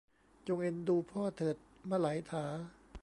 จงเอ็นดูพ่อเถิดมะไหลถา